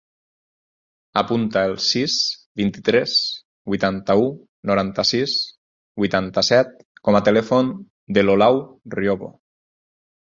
Apunta el sis, vint-i-tres, vuitanta-u, noranta-sis, vuitanta-set com a telèfon de l'Olau Riobo.